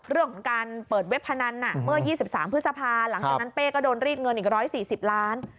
เรื่องของการเปิดเว็บพนันเมื่อ๒๓พฤษภาหลังจากนั้นเป้ก็โดนรีดเงินอีก๑๔๐ล้าน